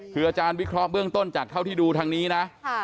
คืออาจารย์วิเคราะห์เบื้องต้นจากเท่าที่ดูทางนี้นะ